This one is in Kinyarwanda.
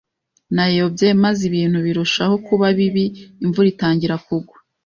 Nayobye, maze ibintu birushaho kuba bibi, imvura itangira kugwa.